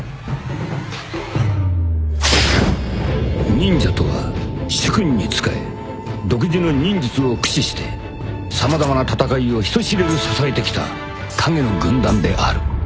［忍者とは主君に仕え独自の忍術を駆使して様々な戦いを人知れず支えてきた影の軍団である］